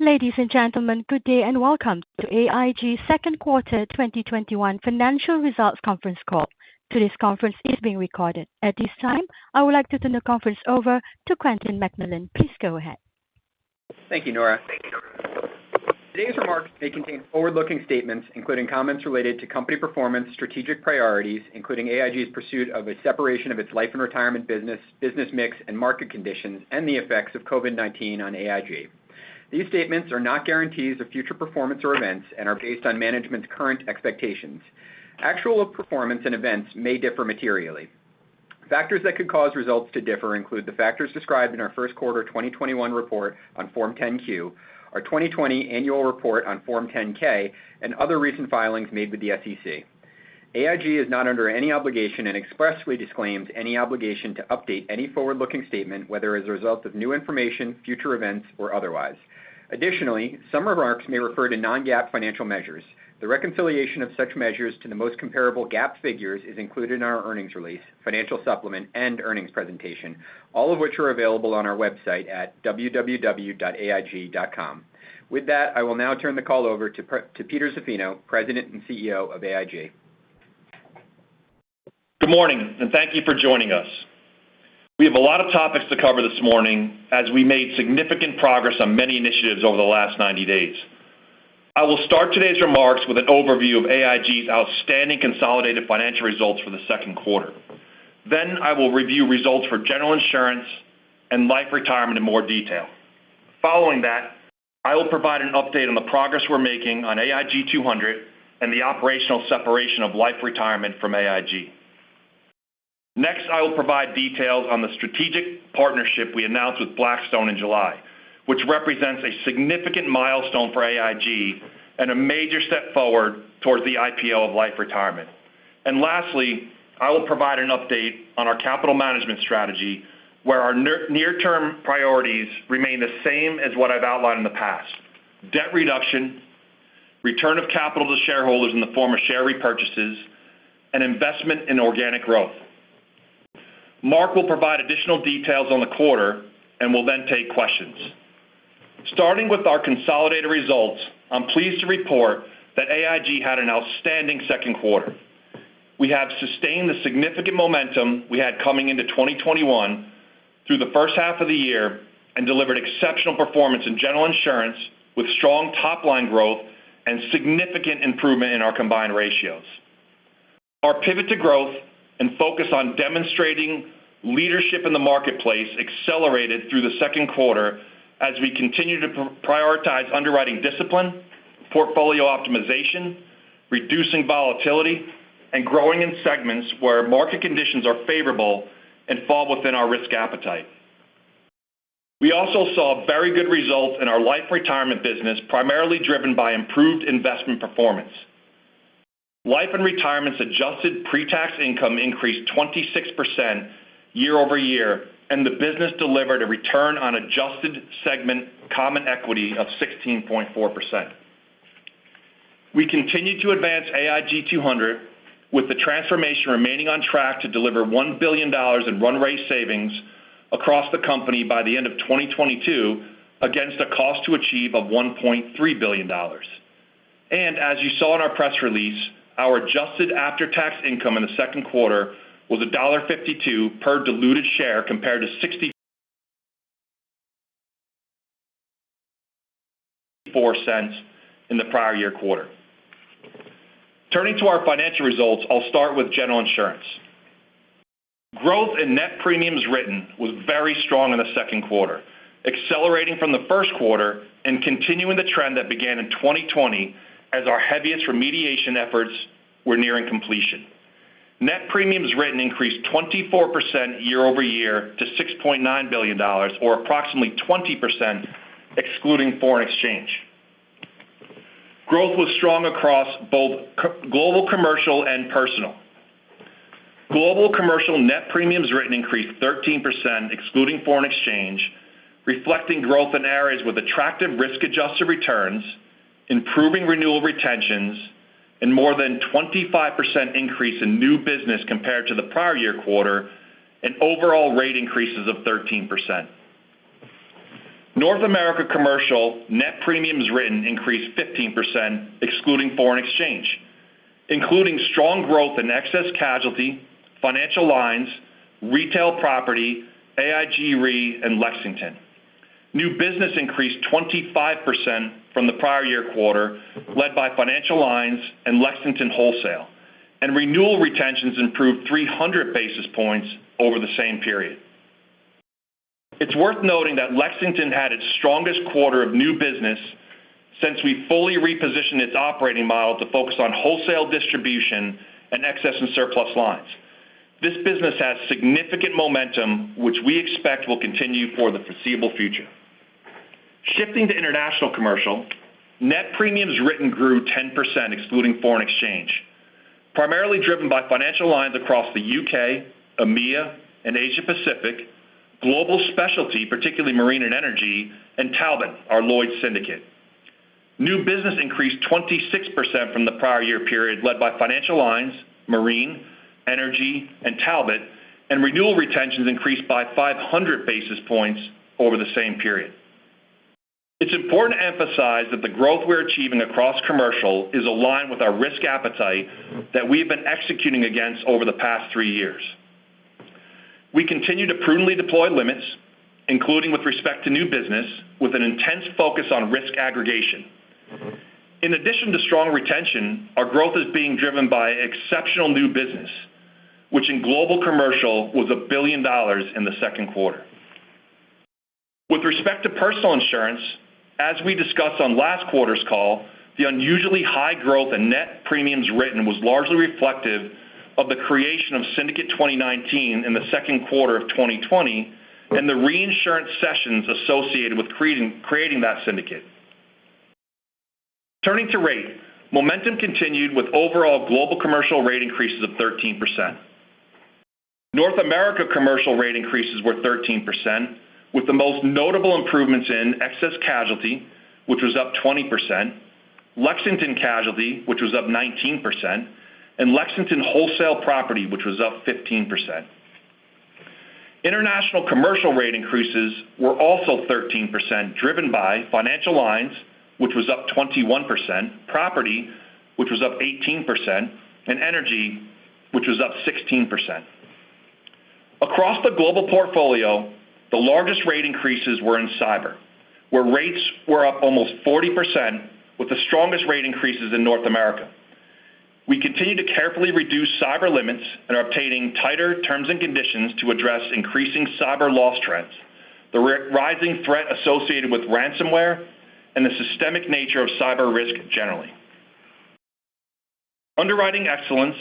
Ladies and gentlemen, good day and welcome to AIG's Second Quarter 2021 Financial Results Conference Call. Today's conference is being recorded. At this time, I would like to turn the conference over to Quentin McMillan. Please go ahead. Thank you, Nora. Today's remarks may contain forward-looking statements, including comments related to company performance, strategic priorities, including AIG's pursuit of a separation of its Life & Retirement business mix, and market conditions, and the effects of COVID-19 on AIG. These statements are not guarantees of future performance or events and are based on management's current expectations. Actual performance and events may differ materially. Factors that could cause results to differ include the factors described in our first quarter 2021 report on Form 10-Q, our 2020 annual report on Form 10-K, and other recent filings made with the SEC. AIG is not under any obligation and expressly disclaims any obligation to update any forward-looking statement, whether as a result of new information, future events, or otherwise. Additionally, some remarks may refer to non-GAAP financial measures. The reconciliation of such measures to the most comparable GAAP figures is included in our earnings release, financial supplement, and earnings presentation, all of which are available on our website at www.aig.com. With that, I will now turn the call over to Peter Zaffino, President and CEO of AIG. Good morning, and thank you for joining us. We have a lot of topics to cover this morning as we made significant progress on many initiatives over the last 90 days. I will start today's remarks with an overview of AIG's outstanding consolidated financial results for the second quarter. I will review results for General Insurance and Life & Retirement in more detail. Following that, I will provide an update on the progress we're making on AIG 200 and the operational separation of Life & Retirement from AIG. Next, I will provide details on the strategic partnership we announced with Blackstone in July, which represents a significant milestone for AIG and a major step forward towards the IPO of Life & Retirement. Lastly, I will provide an update on our capital management strategy, where our near-term priorities remain the same as what I've outlined in the past: debt reduction, return of capital to shareholders in the form of share repurchases, and investment in organic growth. Mark will provide additional details on the quarter, we'll then take questions. Starting with our consolidated results, I'm pleased to report that AIG had an outstanding second quarter. We have sustained the significant momentum we had coming into 2021 through the first half of the year and delivered exceptional performance in General Insurance with strong top-line growth and significant improvement in our combined ratios. Our pivot to growth and focus on demonstrating leadership in the marketplace accelerated through the second quarter as we continue to prioritize underwriting discipline, portfolio optimization, reducing volatility, and growing in segments where market conditions are favorable and fall within our risk appetite. We also saw very good results in Life & Retirement business, primarily driven by improved investment performance. Life & Retirement's adjusted pre-tax income increased 26% year-over-year, and the business delivered a return on adjusted segment common equity of 16.4%. We continue to advance AIG 200, with the transformation remaining on track to deliver $1 billion in run rate savings across the company by the end of 2022 against a cost to achieve of $1.3 billion. As you saw in our press release, our adjusted after-tax income in the second quarter was $1.52 per diluted share compared to $0.64 in the prior year quarter. Turning to our financial results, I'll start with General Insurance. Growth in net premiums written was very strong in the second quarter, accelerating from the first quarter and continuing the trend that began in 2020 as our heaviest remediation efforts were nearing completion. Net premiums written increased 24% year-over-year to $6.9 billion, or approximately 20% excluding foreign exchange. Growth was strong across both Global Commercial and Personal. Global Commercial net premiums written increased 13%, excluding foreign exchange, reflecting growth in areas with attractive risk-adjusted returns, improving renewal retentions, and more than 25% increase in new business compared to the prior year quarter and overall rate increases of 13%. North America Commercial net premiums written increased 15%, excluding foreign exchange, including strong growth in excess casualty, financial lines, retail property, AIG Re, and Lexington. New business increased 25% from the prior-year quarter, led by financial lines and Lexington wholesale, and renewal retentions improved 300 basis points over the same period. It's worth noting that Lexington had its strongest quarter of new business since we fully repositioned its operating model to focus on wholesale distribution and excess and surplus lines. This business has significant momentum, which we expect will continue for the foreseeable future. Shifting to International Commercial, net premiums written grew 10%, excluding foreign exchange, primarily driven by financial lines across the U.K., EMEA, and Asia Pacific, global specialty, particularly marine and energy, and Talbot, our Lloyd's syndicate. New business increased 26% from the prior-year period, led by financial lines, marine, energy, and Talbot, and renewal retentions increased by 500 basis points over the same period. It's important to emphasize that the growth we're achieving across commercial is aligned with our risk appetite that we've been executing against over the past three years. We continue to prudently deploy limits, including with respect to new business, with an intense focus on risk aggregation. In addition to strong retention, our growth is being driven by exceptional new business, which in global commercial was $1 billion in the second quarter. With respect to personal insurance, as we discussed on last quarter's call, the unusually high growth in net premiums written was largely reflective of the creation of Syndicate 2019 in the second quarter of 2020 and the reinsurance sessions associated with creating that syndicate. Turning to rate, momentum continued with overall global commercial rate increases of 13%. North America commercial rate increases were 13%, with the most notable improvements in excess casualty, which was up 20%, Lexington Casualty, which was up 19%, and Lexington Wholesale Property, which was up 15%. International commercial rate increases were also 13%, driven by financial lines, which was up 21%, property, which was up 18%, and energy, which was up 16%. Across the global portfolio, the largest rate increases were in cyber, where rates were up almost 40%, with the strongest rate increases in North America. We continue to carefully reduce cyber limits and are obtaining tighter terms and conditions to address increasing cyber loss trends, the rising threat associated with ransomware, and the systemic nature of cyber risk generally. Underwriting excellence,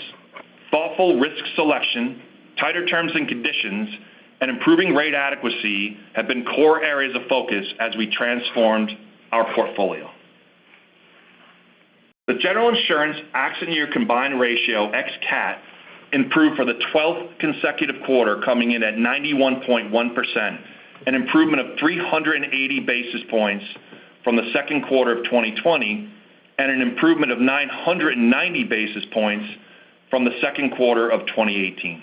thoughtful risk selection, tighter terms and conditions, and improving rate adequacy have been core areas of focus as we transformed our portfolio. The General Insurance accident year combined ratio ex-CAT improved for the 12th consecutive quarter, coming in at 91.1%, an improvement of 380 basis points from the second quarter of 2020 and an improvement of 990 basis points from the second quarter of 2018.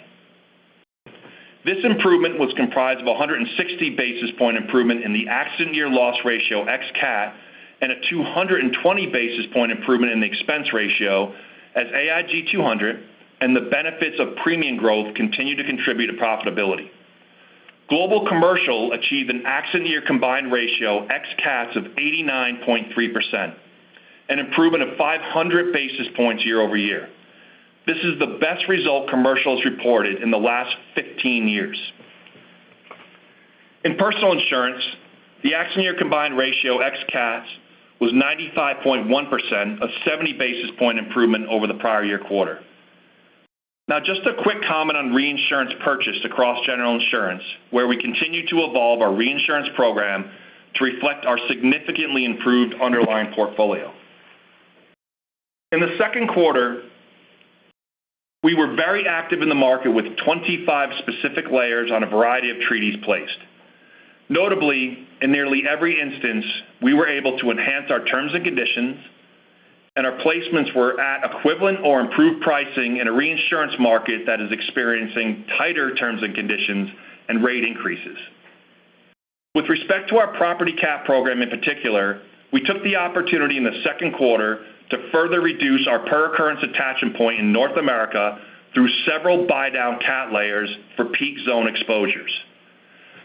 This improvement was comprised of 160 basis point improvement in the accident year loss ratio ex-CAT and a 220 basis point improvement in the expense ratio as AIG 200 and the benefits of premium growth continue to contribute to profitability. Global Commercial achieved an accident year combined ratio ex-CAT of 89.3%, an improvement of 500 basis points year-over-year. This is the best result Commercial's reported in the last 15 years. In Personal Insurance, the accident year combined ratio ex-CAT was 95.1%, a 70 basis point improvement over the prior year quarter. Just a quick comment on reinsurance purchased across General Insurance, where we continue to evolve our reinsurance program to reflect our significantly improved underlying portfolio. In the second quarter, we were very active in the market with 25 specific layers on a variety of treaties placed. Notably, in nearly every instance, we were able to enhance our terms and conditions, and our placements were at equivalent or improved pricing in a reinsurance market that is experiencing tighter terms and conditions and rate increases. With respect to our property CAT program in particular, we took the opportunity in the second quarter to further reduce our per occurrence attachment point in North America through several buy-down CAT layers for peak zone exposures.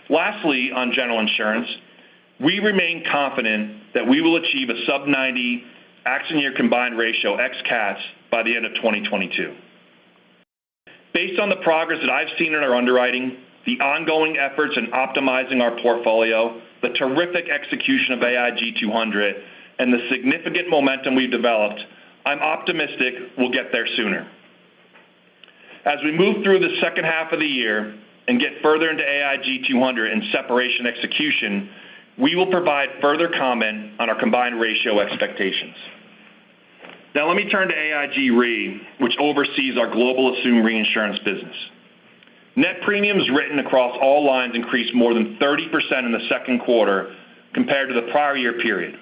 Lastly, on General Insurance, we remain confident that we will achieve a sub 90 accident year combined ratio ex-CATs by the end of 2022. Based on the progress that I've seen in our underwriting, the ongoing efforts in optimizing our portfolio, the terrific execution of AIG 200, and the significant momentum we've developed, I'm optimistic we'll get there sooner. As we move through the second half of the year and get further into AIG 200 and separation execution, we will provide further comment on our combined ratio expectations. Now let me turn to AIG Re, which oversees our global assumed reinsurance business. Net premiums written across all lines increased more than 30% in the second quarter compared to the prior year period.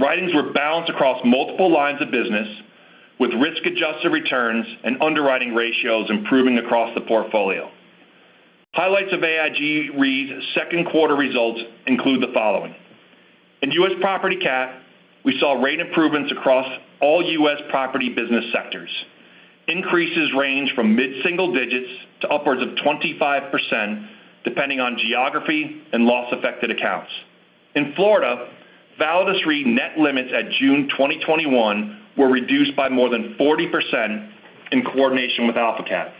Writings were balanced across multiple lines of business, with risk-adjusted returns and underwriting ratios improving across the portfolio. Highlights of AIG Re's second quarter results include the following. In U.S. property CAT, we saw rate improvements across all U.S. property business sectors. Increases range from mid-single digits to upwards of 25%, depending on geography and loss-affected accounts. In Florida, Validus Re net limits at June 2021 were reduced by more than 40% in coordination with AlphaCat.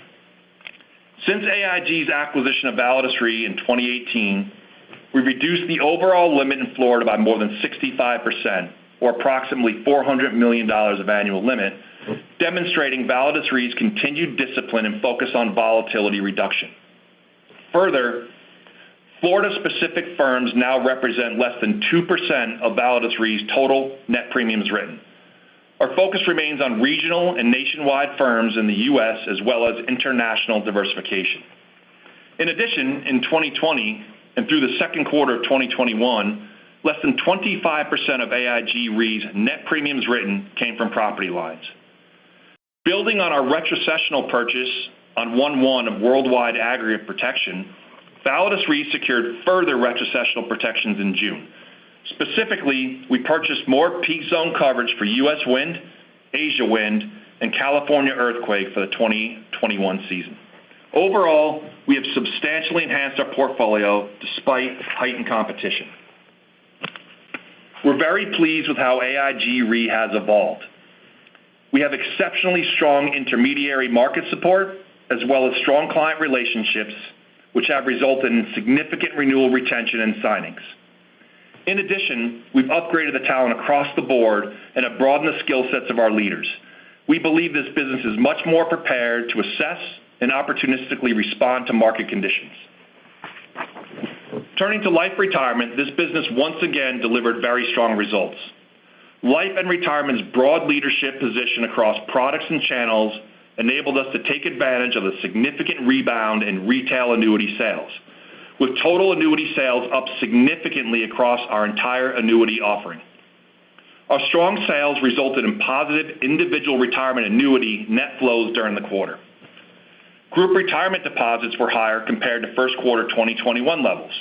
Since AIG's acquisition of Validus Re in 2018, we've reduced the overall limit in Florida by more than 65%, or approximately $400 million of annual limit, demonstrating Validus Re's continued discipline and focus on volatility reduction. Further, Florida-specific firms now represent less than 2% of Validus Re's total net premiums written. Our focus remains on regional and nationwide firms in the U.S., as well as international diversification. In addition, in 2020 and through the second quarter of 2021, less than 25% of AIG Re's net premiums written came from property lines. Building on our retrocessional purchase on 1/1 of worldwide aggregate protection, Validus Re secured further retrocessional protections in June. Specifically, we purchased more peak zone coverage for U.S. wind, Asia wind, and California earthquake for the 2021 season. Overall, we have substantially enhanced our portfolio despite heightened competition. We're very pleased with how AIG Re has evolved. We have exceptionally strong intermediary market support, as well as strong client relationships, which have resulted in significant renewal retention and signings. We've upgraded the talent across the board and have broadened the skill sets of our leaders. We believe this business is much more prepared to assess and opportunistically respond to market conditions. Turning to Life & Retirement, this business once again delivered very strong results. Life & Retirement's broad leadership position across products and channels enabled us to take advantage of a significant rebound in retail annuity sales, with total annuity sales up significantly across our entire annuity offering. Our strong sales resulted in positive individual retirement annuity net flows during the quarter. Group retirement deposits were higher compared to first quarter 2021 levels,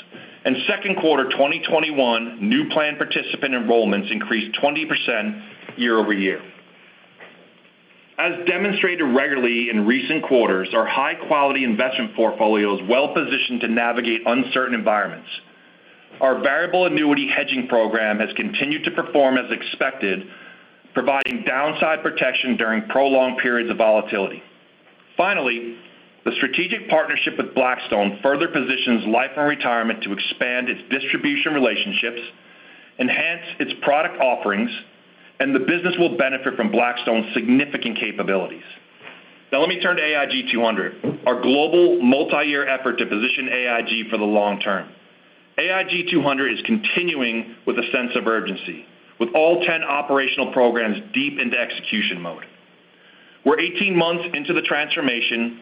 and second quarter 2021 new plan participant enrollments increased 20% year-over-year. As demonstrated regularly in recent quarters, our high-quality investment portfolio is well-positioned to navigate uncertain environments. Our variable annuity hedging program has continued to perform as expected, providing downside protection during prolonged periods of volatility. Finally, the strategic partnership with Blackstone further positions Life & Retirement to expand its distribution relationships, enhance its product offerings, and the business will benefit from Blackstone's significant capabilities. Now let me turn to AIG 200, our global multi-year effort to position AIG for the long term. AIG 200 is continuing with a sense of urgency, with all 10 operational programs deep into execution mode. We're 18 months into the transformation.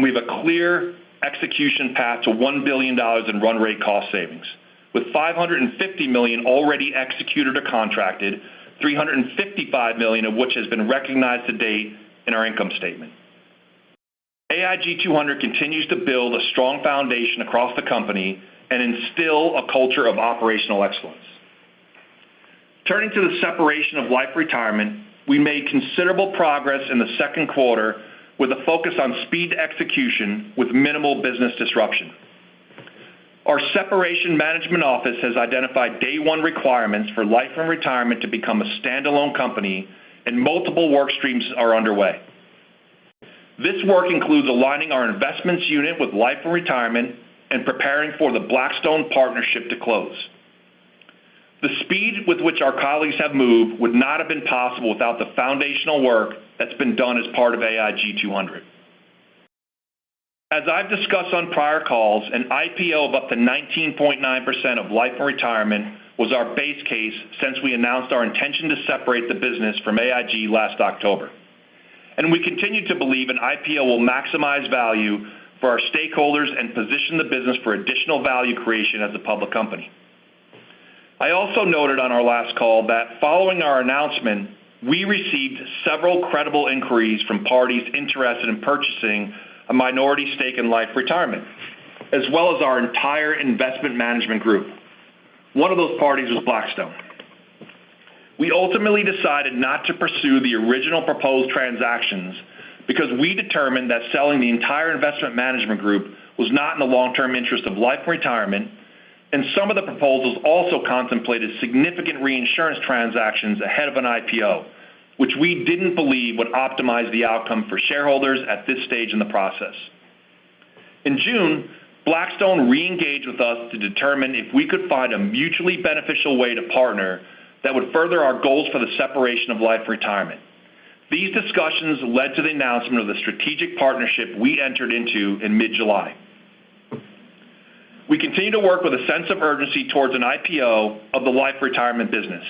We have a clear execution path to $1 billion in run rate cost savings, with $550 million already executed or contracted, $355 million of which has been recognized to date in our income statement. AIG 200 continues to build a strong foundation across the company and instill a culture of operational excellence. Turning to the separation of Life & Retirement, we made considerable progress in the second quarter with a focus on speed to execution with minimal business disruption. Our separation management office has identified day one requirements for Life & Retirement to become a standalone company. Multiple work streams are underway. This work includes aligning our investments unit with Life & Retirement and preparing for the Blackstone partnership to close. The speed with which our colleagues have moved would not have been possible without the foundational work that's been done as part of AIG 200. As I've discussed on prior calls, an IPO of up to 19.9% of Life & Retirement was our base case since we announced our intention to separate the business from AIG last October, and we continue to believe an IPO will maximize value for our stakeholders and position the business for additional value creation as a public company. I also noted on our last call that following our announcement, we received several credible inquiries from parties interested in purchasing a minority stake in Life & Retirement, as well as our entire investment management group. One of those parties was Blackstone. We ultimately decided not to pursue the original proposed transactions because we determined that selling the entire investment management group was not in the long-term interest of Life & Retirement, and some of the proposals also contemplated significant reinsurance transactions ahead of an IPO, which we didn't believe would optimize the outcome for shareholders at this stage in the process. In June, Blackstone re-engaged with us to determine if we could find a mutually beneficial way to partner that would further our goals for the separation of Life & Retirement. These discussions led to the announcement of the strategic partnership we entered into in mid-July. We continue to work with a sense of urgency towards an IPO of the Life & Retirement business.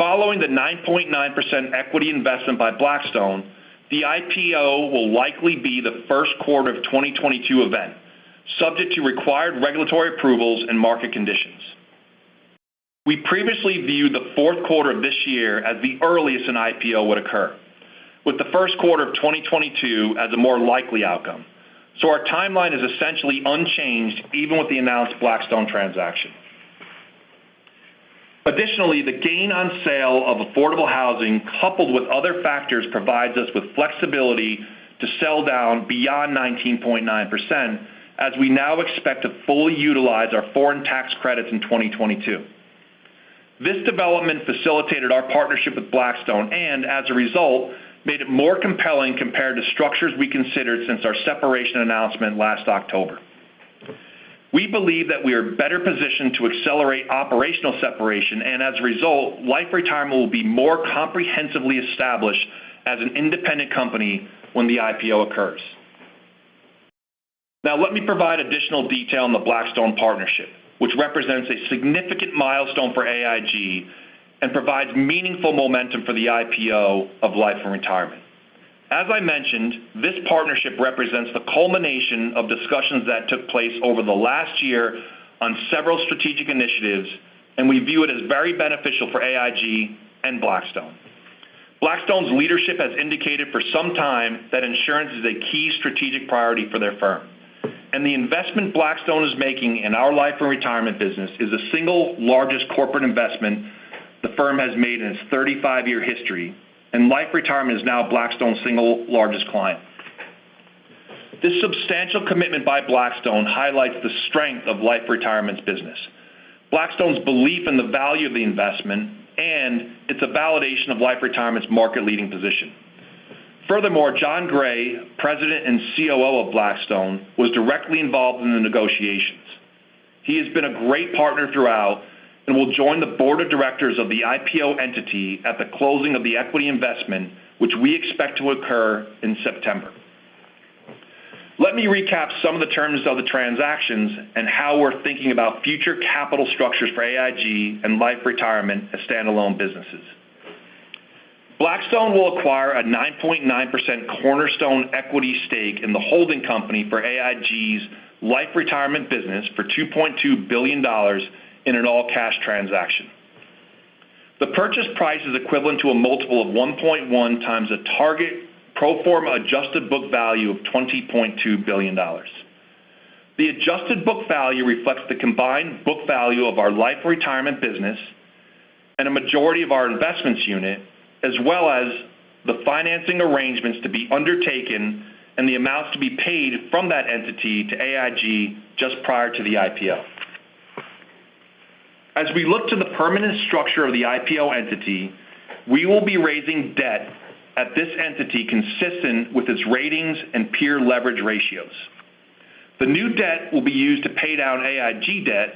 Following the 9.9% equity investment by Blackstone, the IPO will likely be the first quarter of 2022 event, subject to required regulatory approvals and market conditions. We previously viewed the fourth quarter of this year as the earliest an IPO would occur, with the first quarter of 2022 as a more likely outcome, so our timeline is essentially unchanged even with the announced Blackstone transaction. Additionally, the gain on sale of affordable housing coupled with other factors provides us with flexibility to sell down beyond 19.9% as we now expect to fully utilize our foreign tax credits in 2022. This development facilitated our partnership with Blackstone and, as a result, made it more compelling compared to structures we considered since our separation announcement last October. We believe that we are better positioned to accelerate operational separation and, as a result, Life & Retirement will be more comprehensively established as an independent company when the IPO occurs. Now let me provide additional detail on the Blackstone partnership, which represents a significant milestone for AIG, and provides meaningful momentum for the IPO of Life & Retirement. As I mentioned, this partnership represents the culmination of discussions that took place over the last year on several strategic initiatives, and we view it as very beneficial for AIG and Blackstone. Blackstone's leadership has indicated for some time that insurance is a key strategic priority for their firm. The investment Blackstone is making in our Life & Retirement business is the single largest corporate investment the firm has made in its 35-year history, and Life & Retirement is now Blackstone's single largest client. This substantial commitment by Blackstone highlights the strength of Life & Retirement's business. Blackstone's belief in the value of the investment, and it's a validation of Life & Retirement's market-leading position. Furthermore, Jon Gray, President and COO of Blackstone, was directly involved in the negotiations. He has been a great partner throughout and will join the board of directors of the IPO entity at the closing of the equity investment, which we expect to occur in September. Let me recap some of the terms of the transactions and how we're thinking about future capital structures for AIG and Life & Retirement as standalone businesses. Blackstone will acquire a 9.9% cornerstone equity stake in the holding company for AIG's Life & Retirement business for $2.2 billion in an all-cash transaction. The purchase price is equivalent to a multiple of 1.1x a target pro forma adjusted book value of $20.2 billion. The adjusted book value reflects the combined book value of our Life & Retirement business and a majority of our investments unit, as well as the financing arrangements to be undertaken and the amounts to be paid from that entity to AIG just prior to the IPO. As we look to the permanent structure of the IPO entity, we will be raising debt at this entity consistent with its ratings and peer leverage ratios. The new debt will be used to pay down AIG debt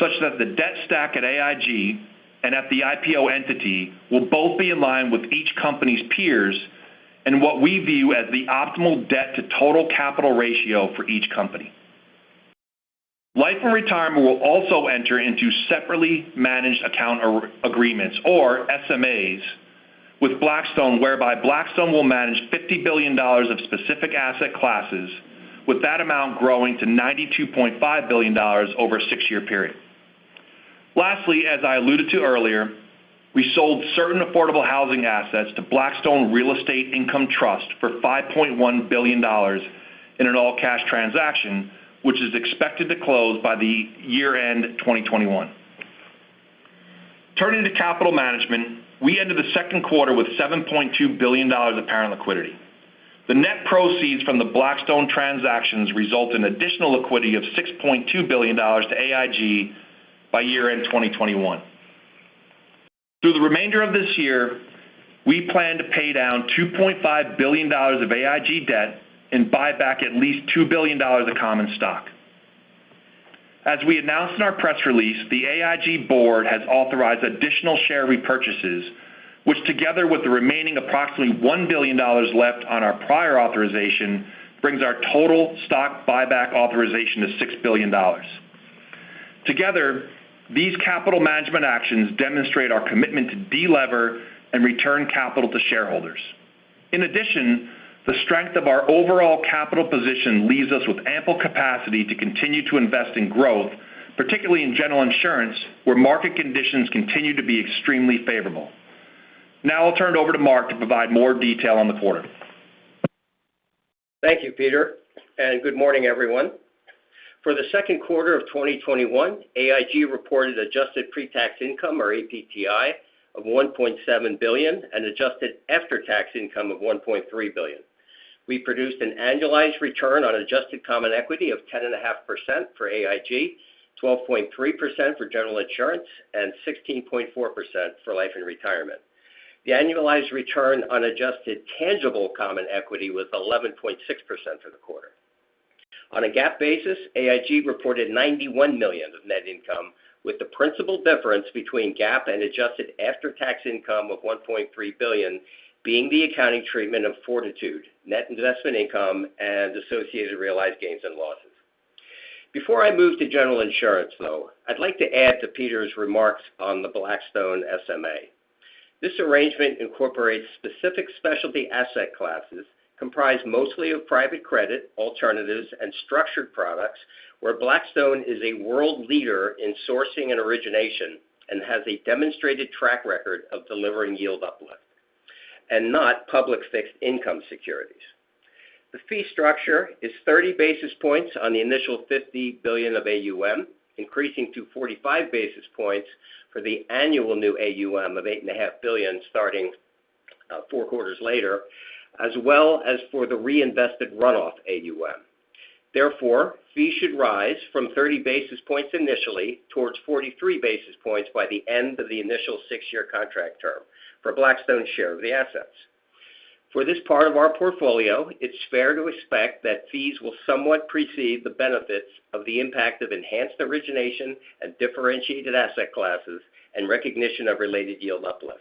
such that the debt stack at AIG and at the IPO entity will both be in line with each company's peers and what we view as the optimal debt to total capital ratio for each company. Life & Retirement will also enter into separately managed account agreements, or SMAs, with Blackstone, whereby Blackstone will manage $50 billion of specific asset classes, with that amount growing to $92.5 billion over a six-year period. Lastly, as I alluded to earlier, we sold certain affordable housing assets to Blackstone Real Estate Income Trust for $5.1 billion in an all-cash transaction, which is expected to close by the year-end 2021. Turning to capital management, we ended the second quarter with $7.2 billion of parent liquidity. The net proceeds from the Blackstone transactions result in additional liquidity of $6.2 billion to AIG by year-end 2021. Through the remainder of this year, we plan to pay down $2.5 billion of AIG debt and buy back at least $2 billion of common stock. As we announced in our press release, the AIG board has authorized additional share repurchases, which together with the remaining approximately $1 billion left on our prior authorization, brings our total stock buyback authorization to $6 billion. Together, these capital management actions demonstrate our commitment to delever and return capital to shareholders. In addition, the strength of our overall capital position leaves us with ample capacity to continue to invest in growth, particularly in General Insurance, where market conditions continue to be extremely favorable. Now I'll turn it over to Mark to provide more detail on the quarter. Thank you, Peter, and good morning, everyone. For the second quarter of 2021, AIG reported adjusted pre-tax income, or APTI, of $1.7 billion and adjusted after-tax income of $1.3 billion. We produced an annualized return on adjusted common equity of 10.5% for AIG, 12.3% for General Insurance and 16.4% for Life & Retirement. The annualized return on adjusted tangible common equity was 11.6% for the quarter. On a GAAP basis, AIG reported $91 million of net income, with the principal difference between GAAP and adjusted after-tax income of $1.3 billion being the accounting treatment of Fortitude, net investment income, and associated realized gains and losses. Before I move to General Insurance, though, I'd like to add to Peter's remarks on the Blackstone SMA. This arrangement incorporates specific specialty asset classes comprised mostly of private credit, alternatives, and structured products, where Blackstone is a world leader in sourcing and origination and has a demonstrated track record of delivering yield uplift, and not public fixed income securities. The fee structure is 30 basis points on the initial $50 billion of AUM, increasing to 45 basis points for the annual new AUM of $8.5 billion starting four quarters later, as well as for the reinvested runoff AUM. Therefore, fees should rise from 30 basis points initially towards 43 basis points by the end of the initial six-year contract term for Blackstone's share of the assets. For this part of our portfolio, it's fair to expect that fees will somewhat precede the benefits of the impact of enhanced origination and differentiated asset classes and recognition of related yield uplift.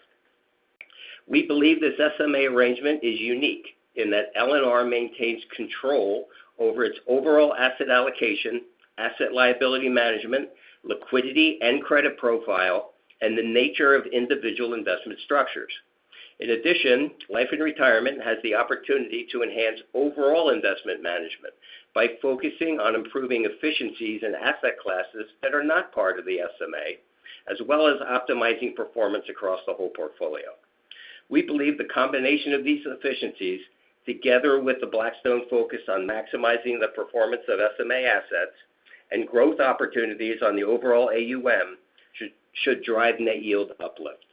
We believe this SMA arrangement is unique in that L&R maintains control over its overall asset allocation, asset liability management, liquidity and credit profile, and the nature of individual investment structures. Life & Retirement has the opportunity to enhance overall investment management by focusing on improving efficiencies in asset classes that are not part of the SMA, as well as optimizing performance across the whole portfolio. We believe the combination of these efficiencies, together with the Blackstone focus on maximizing the performance of SMA assets and growth opportunities on the overall AUM, should drive net yield uplift.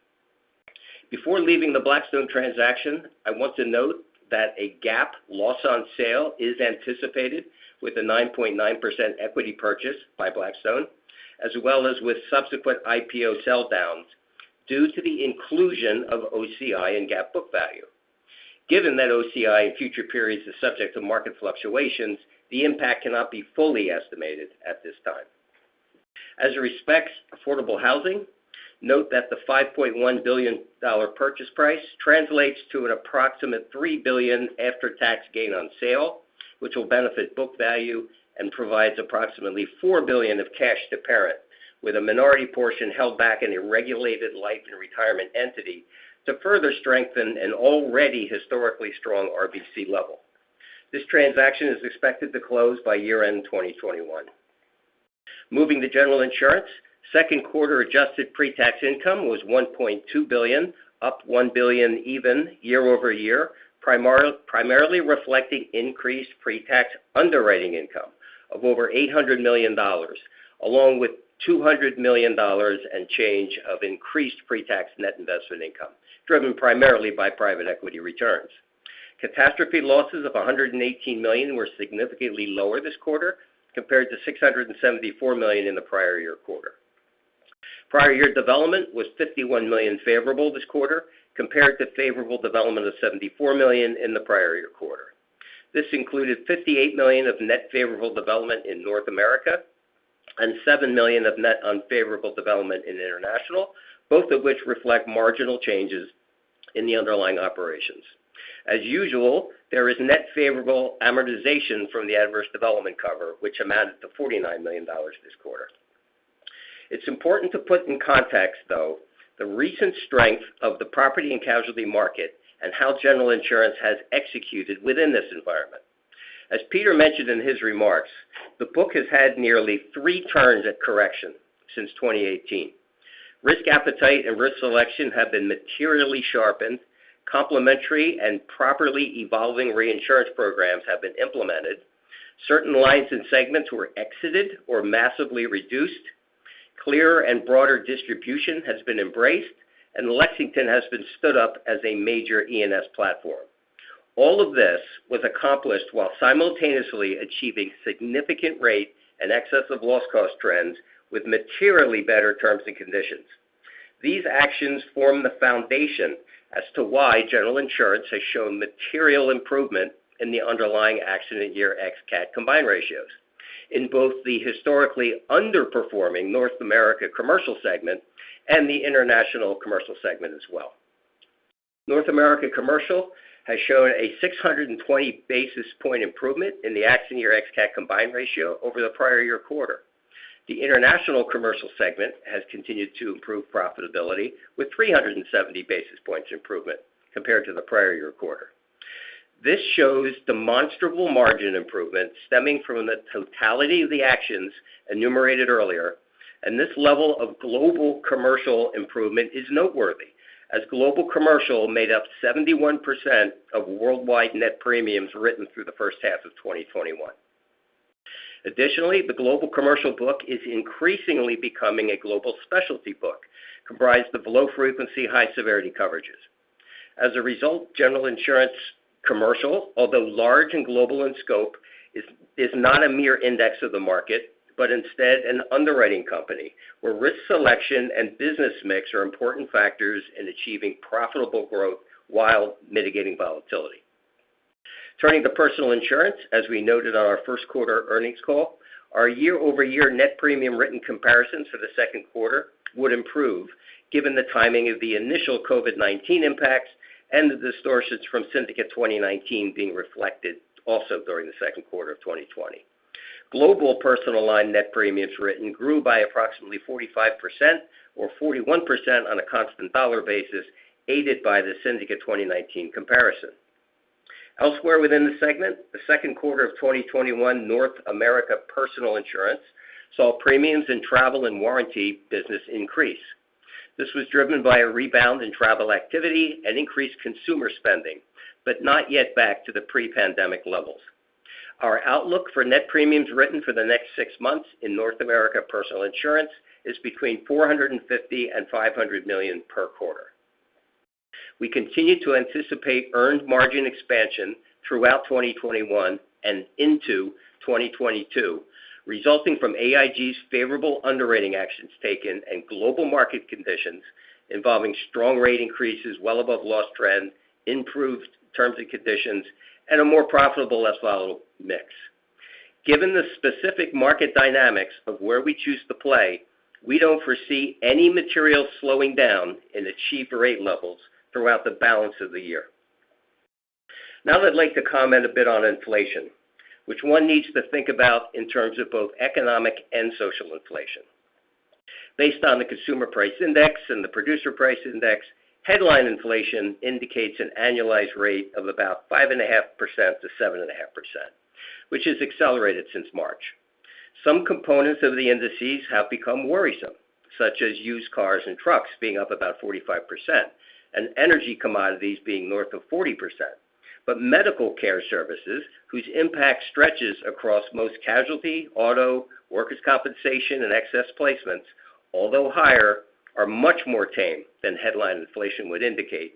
Before leaving the Blackstone transaction, I want to note that a GAAP loss on sale is anticipated with a 9.9% equity purchase by Blackstone, as well as with subsequent IPO sell downs due to the inclusion of OCI in GAAP book value. Given that OCI in future periods is subject to market fluctuations, the impact cannot be fully estimated at this time. As it respects affordable housing, note that the $5.1 billion purchase price translates to an approximate $3 billion after-tax gain on sale, which will benefit book value and provides approximately $4 billion of cash to parent, with a minority portion held back in a regulated Life & Retirement entity to further strengthen an already historically strong RBC level. This transaction is expected to close by year-end 2021. Moving to General Insurance, second quarter adjusted pre-tax income was $1.2 billion, up $1 billion even year-over-year, primarily reflecting increased pre-tax underwriting income of over $800 million, along with $200 million and change of increased pre-tax net investment income, driven primarily by private equity returns. Catastrophe losses of $118 million were significantly lower this quarter compared to $674 million in the prior year quarter. Prior year development was $51 million favorable this quarter compared to favorable development of $74 million in the prior year quarter. This included $58 million of net favorable development in North America and $7 million of net unfavorable development in international, both of which reflect marginal changes in the underlying operations. As usual, there is net favorable amortization from the adverse development cover, which amounted to $49 million this quarter. It's important to put in context, though, the recent strength of the property and casualty market and how General Insurance has executed within this environment. As Peter mentioned in his remarks, the book has had nearly three turns at correction since 2018. Risk appetite and risk selection have been materially sharpened, complementary and properly evolving reinsurance programs have been implemented, certain lines and segments were exited or massively reduced, clearer and broader distribution has been embraced, and Lexington has been stood up as a major E&S platform. All of this was accomplished while simultaneously achieving significant rate and excess of loss cost trends with materially better terms and conditions. These actions form the foundation as to why General Insurance has shown material improvement in the underlying accident year ex-CAT combined ratios in both the historically underperforming North America commercial segment and the international commercial segment as well. North America Commercial has shown a 620 basis points improvement in the accident year ex-CAT combined ratio over the prior year quarter. The International Commercial segment has continued to improve profitability with 370 basis points improvement compared to the prior year quarter. This shows demonstrable margin improvement stemming from the totality of the actions enumerated earlier, and this level of Global Commercial improvement is noteworthy as Global Commercial made up 71% of worldwide net premiums written through the first half of 2021. Additionally, the Global Commercial book is increasingly becoming a Global Specialty book, comprised of low frequency, high severity coverages. As a result, General Insurance Commercial, although large and global in scope, is not a mere index of the market, but instead, an underwriting company where risk selection and business mix are important factors in achieving profitable growth while mitigating volatility. Turning to Personal Insurance, as we noted on our first quarter earnings call, our year-over-year net premium written comparisons for the second quarter would improve given the timing of the initial COVID-19 impacts and the distortions from Syndicate 2019 being reflected also during the second quarter of 2020. Global personal line net premiums written grew by approximately 45% or 41% on a constant dollar basis, aided by the Syndicate 2019 comparison. Elsewhere within the segment, the second quarter of 2021 North America Personal Insurance saw premiums in travel and warranty business increase. This was driven by a rebound in travel activity and increased consumer spending, but not yet back to the pre-pandemic levels. Our outlook for net premiums written for the next six months in North America Personal Insurance is between $450 million and $500 million per quarter. We continue to anticipate earned margin expansion throughout 2021 and into 2022, resulting from AIG's favorable underwriting actions taken and global market conditions involving strong rate increases well above loss trend, improved terms and conditions, and a more profitable, less volatile mix. Given the specific market dynamics of where we choose to play, we don't foresee any material slowing down in achieved rate levels throughout the balance of the year. Now I'd like to comment a bit on inflation, which one needs to think about in terms of both economic and social inflation. Based on the consumer price index and the producer price index, headline inflation indicates an annualized rate of about 5.5%-7.5%, which has accelerated since March. Some components of the indices have become worrisome, such as used cars and trucks being up about 45%, and energy commodities being north of 40%. Medical care services, whose impact stretches across most casualty, auto, workers' compensation, and excess placements, although higher, are much more tame than headline inflation would indicate,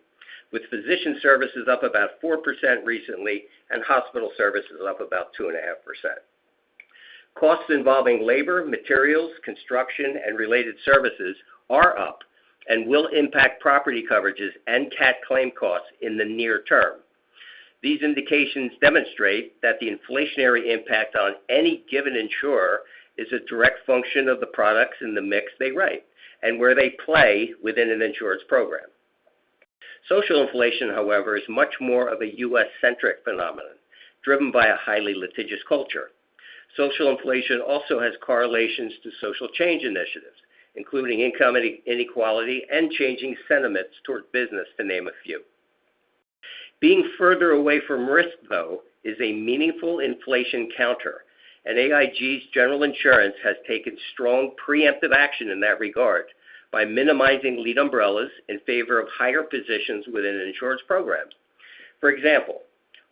with physician services up about 4% recently and hospital services up about 2.5%. Costs involving labor, materials, construction, and related services are up and will impact property coverages and CAT claim costs in the near term. These indications demonstrate that the inflationary impact on any given insurer is a direct function of the products and the mix they write and where they play within an insurance program. Social inflation, however, is much more of a U.S.-centric phenomenon, driven by a highly litigious culture. Social inflation also has correlations to social change initiatives, including income inequality and changing sentiments toward business, to name a few. Being further away from risk, though, is a meaningful inflation counter, and AIG's General Insurance has taken strong preemptive action in that regard by minimizing lead umbrellas in favor of higher positions within an insurance program. For example,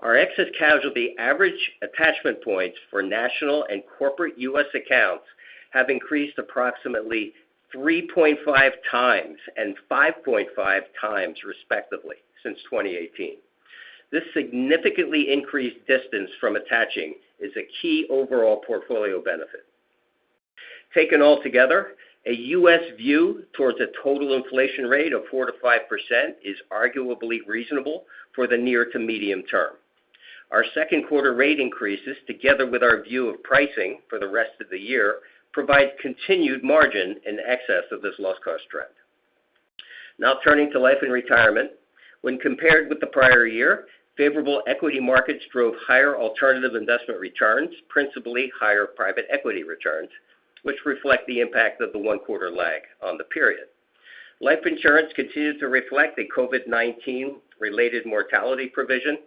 our excess casualty average attachment points for national and corporate U.S. accounts have increased approximately 3.5x and 5.5x, respectively, since 2018. This significantly increased distance from attaching is a key overall portfolio benefit. Taken altogether, a U.S. view towards a total inflation rate of 4%-5% is arguably reasonable for the near to medium term. Our second quarter rate increases, together with our view of pricing for the rest of the year, provide continued margin in excess of this loss cost trend. Now turning to Life & Retirement. When compared with the prior year, favorable equity markets drove higher alternative investment returns, principally higher private equity returns, which reflect the impact of the one-quarter lag on the period. Life insurance continued to reflect a COVID-19 related mortality provision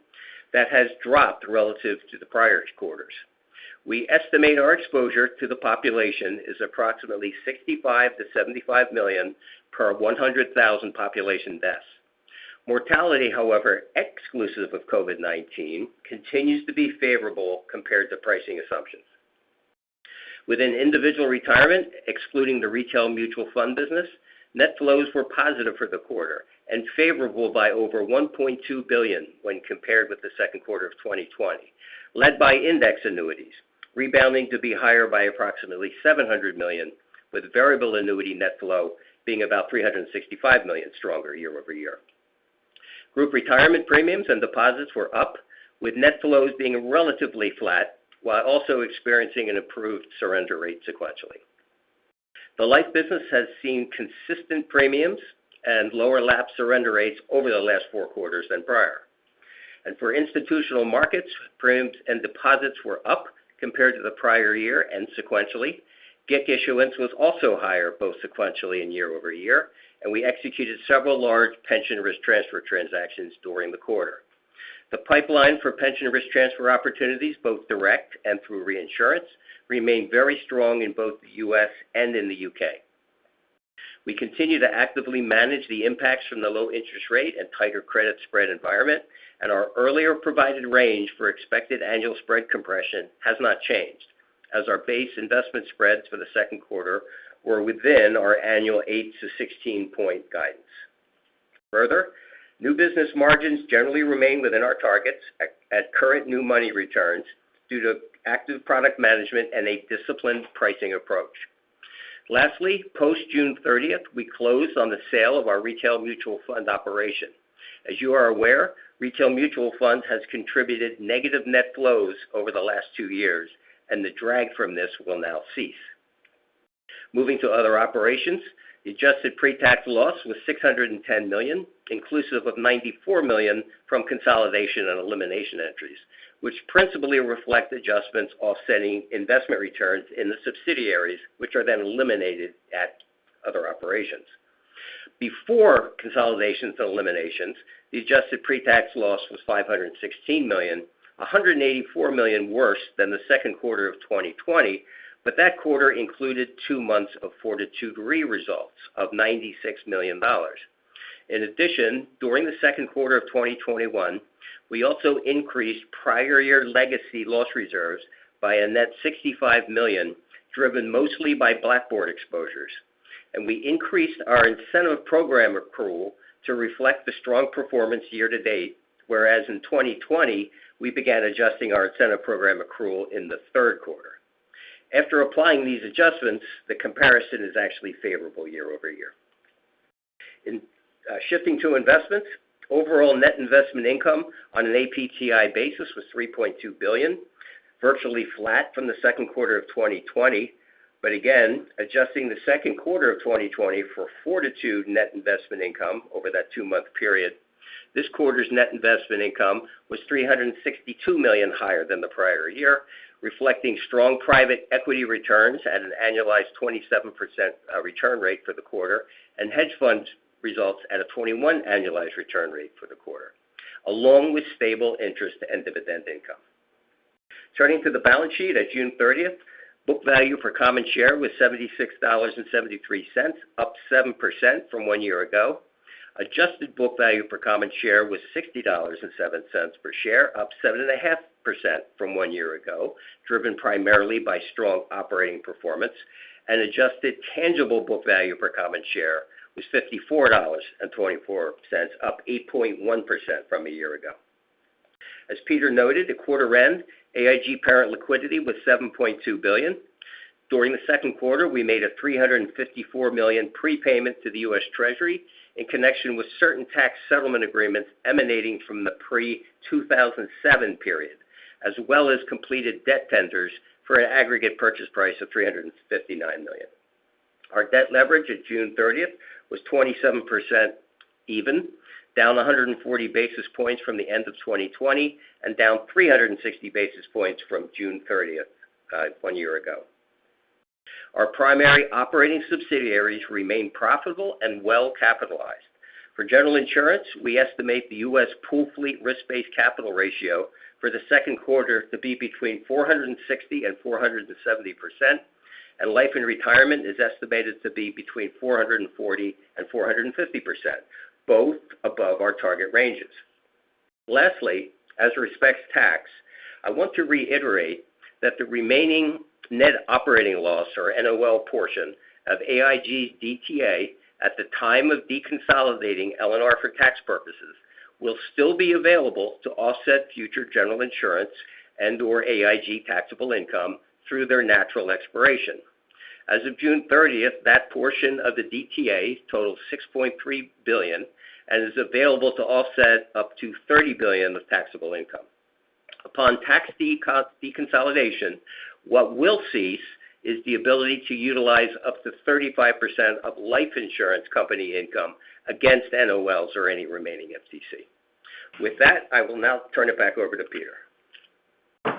that has dropped relative to the prior quarters. We estimate our exposure to the population is approximately 65 million to 75 million per 100,000 population deaths. Mortality, however, exclusive of COVID-19, continues to be favorable compared to pricing assumptions. Within individual retirement, excluding the retail mutual fund business, net flows were positive for the quarter and favorable by over $1.2 billion when compared with the second quarter of 2020, led by index annuities rebounding to be higher by approximately $700 million, with variable annuity net flow being about $365 million stronger year-over-year. Group retirement premiums and deposits were up, with net flows being relatively flat while also experiencing an improved surrender rate sequentially. The Life business has seen consistent premiums and lower lap surrender rates over the last four quarters than prior. For institutional markets, premiums and deposits were up compared to the prior year and sequentially. GIC issuance was also higher, both sequentially and year-over-year, and we executed several large pension risk transfer transactions during the quarter. The pipeline for pension risk transfer opportunities, both direct and through reinsurance, remain very strong in both the U.S. and in the U.K. We continue to actively manage the impacts from the low interest rate and tighter credit spread environment, our earlier provided range for expected annual spread compression has not changed, as our base investment spreads for the second quarter were within our annual 8-16 point guidance. Further, new business margins generally remain within our targets at current new money returns due to active product management and a disciplined pricing approach. Lastly, post June 30th, we closed on the sale of our retail mutual fund operation. As you are aware, retail mutual funds has contributed negative net flows over the last two years, and the drag from this will now cease. Moving to other operations, the adjusted pre-tax loss was $610 million, inclusive of $94 million from consolidation and elimination entries, which principally reflect adjustments offsetting investment returns in the subsidiaries, which are then eliminated at other operations. Before consolidations and eliminations, the adjusted pre-tax loss was $516 million, $184 million worse than the second quarter of 2020. That quarter included two months of Fortitude Re results of $96 million. In addition, during the second quarter of 2021, we also increased prior year legacy loss reserves by a net $65 million, driven mostly by Blackboard exposures. We increased our incentive program accrual to reflect the strong performance year to date, whereas in 2020, we began adjusting our incentive program accrual in the third quarter. After applying these adjustments, the comparison is actually favorable year-over-year. In shifting to investments, overall net investment income on an APTI basis was $3.2 billion, virtually flat from the second quarter of 2020. Again, adjusting the second quarter of 2020 for Fortitude net investment income over that two-month period, this quarter's net investment income was $362 million higher than the prior year, reflecting strong private equity returns at an annualized 27% return rate for the quarter, and hedge fund results at a 21% annualized return rate for the quarter, along with stable interest and dividend income. Turning to the balance sheet at June 30th, book value per common share was $76.73, up 7% from one year ago. Adjusted book value per common share was $60.07 per share, up 7.5% from one year ago, driven primarily by strong operating performance. And adjusted tangible book value per common share was $54.24, up 8.1% from one year ago. As Peter noted, at quarter end, AIG parent liquidity was $7.2 billion. During the second quarter, we made a $354 million prepayment to the U.S. Treasury in connection with certain tax settlement agreements emanating from the pre-2007 period, as well as completed debt tenders for an aggregate purchase price of $359 million. Our debt leverage at June 30th was 27% even, down 140 basis points from the end of 2020 and down 360 basis points from June 30th one year ago. Our primary operating subsidiaries remain profitable and well-capitalized. For General Insurance, we estimate the U.S. pool fleet risk-based capital ratio for the second quarter to be between 460%-470%, and Life & Retirement is estimated to be between 440%-450%, both above our target ranges. Lastly, as it respects tax, I want to reiterate that the remaining net operating loss, or NOL portion, of AIG's DTA at the time of deconsolidating L&R for tax purposes will still be available to offset future General Insurance and/or AIG taxable income through their natural expiration. As of June 30th, that portion of the DTA totals $6.3 billion and is available to offset up to $30 billion with taxable income. Upon tax deconsolidation, what we'll cease is the ability to utilize up to 35% of life insurance company income against NOLs or any remaining FTC. With that, I will now turn it back over to Peter.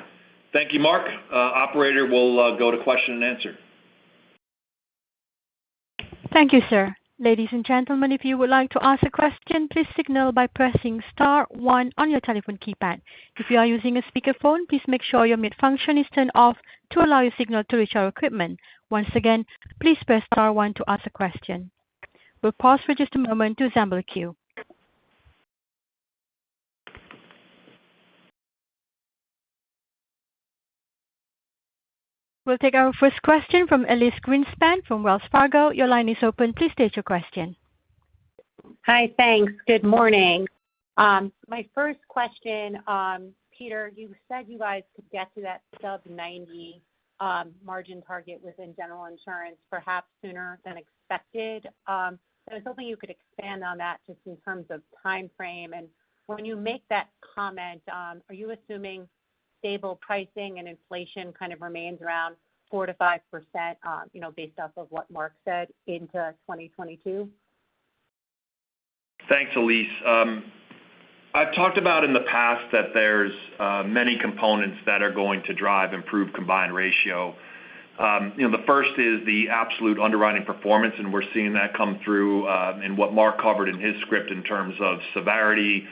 Thank you, Mark. Operator, we'll go to question and answer. Thank you, sir. Ladies and gentlemen, if you would like to ask a question, please signal by pressing star one on your telephone keypad. If you are using a speakerphone, please make sure your mute function is turned off to allow your signal to reach our equipment. Once again, please press star one to ask a question. We will pause for just a moment to assemble a queue. We will take our first question from Elyse Greenspan from Wells Fargo. Your line is open. Please state your question. Hi, thanks. Good morning. My first question, Peter, you said you guys could get to that sub 90 margin target within General Insurance perhaps sooner than expected. I was hoping you could expand on that just in terms of timeframe. When you make that comment, are you assuming stable pricing and inflation kind of remains around 4%-5% based off of what Mark said into 2022? Thanks, Elyse. I've talked about in the past that there's many components that are going to drive improved combined ratio. The first is the absolute underwriting performance, and we're seeing that come through in what Mark covered in his script in terms of severity,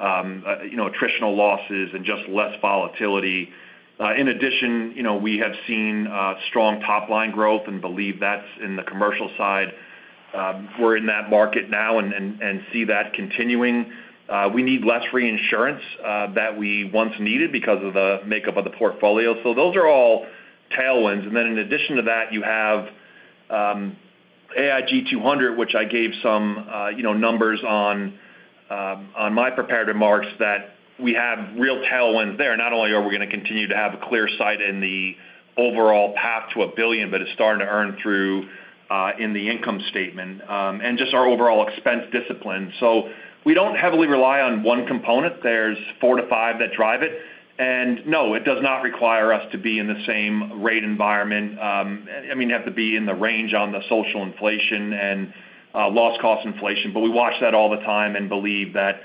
attritional losses, and just less volatility. In addition, we have seen strong top-line growth and believe that's in the commercial side. We're in that market now and see that continuing. We need less reinsurance than we once needed because of the makeup of the portfolio. Those are all tailwinds. In addition to that, you have AIG 200, which I gave some numbers on my prepared remarks that we have real tailwinds there. Not only are we going to continue to have a clear sight in the overall path to $1 billion, but it's starting to earn through in the income statement, and just our overall expense discipline. We don't heavily rely on one component. There's 4%-5% that drive it. No, it does not require us to be in the same rate environment. You have to be in the range on the social inflation and loss cost inflation. We watch that all the time and believe that